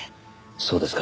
そうですか。